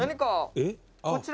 「えっ？」